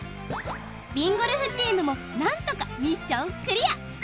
ＢＩＮＧＯＬＦチームもなんとかミッションクリア。